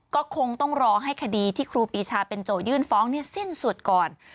ก็คงต้องรอให้คดีที่ครูปีชาเป็นโจทยื่นฟ้องสิ้นสุดก่อน